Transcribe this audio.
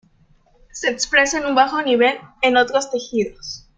Se expresa en un bajo nivel en otros tejidos.